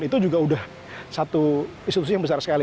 itu juga sudah satu institusi yang besar sekali